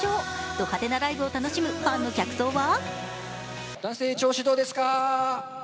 ド派手なライブを楽しむファンの客層は？